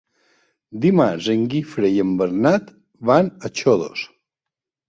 Dimarts en Guifré i en Bernat van a Xodos.